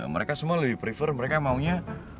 mereka semua lebih prefer mereka maunya